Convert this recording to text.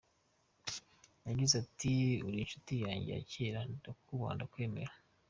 Yagize ati “Uri inshuti yanjye yakera, ndakubaha ndakwemera.